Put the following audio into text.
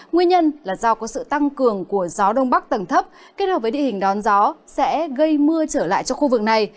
nguyên nhân là do có sự tăng cường của gió đông bắc tầng thấp kết hợp với địa hình đón gió sẽ gây mưa trở lại cho khu vực này